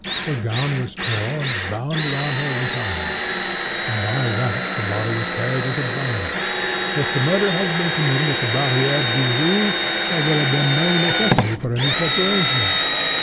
Her gown was torn, bound round her, and tied; and by that the body was carried as a bundle. If the murder had been committed at the Barrière du Roule, there would have been no necessity for any such arrangement.